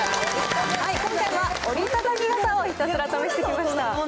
今回は、折りたたみ傘をひたすら試してきました。